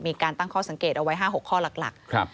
มีการตั้งข้อสังเกตเอาไว้๕๖ข้อหลัก